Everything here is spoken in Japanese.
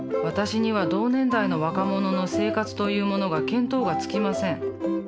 私には同年代の若者の生活というものが見当がつきません。